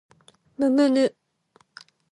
むむぬ